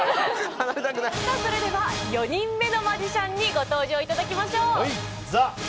それでは４人目のマジシャンにご登場いただきましょう。